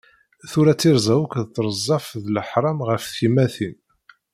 Tura tirza akk d trezzaf d leḥram ɣef tyemmatin.